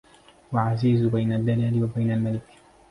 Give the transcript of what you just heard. وعزيز بين الدلال وبين الملك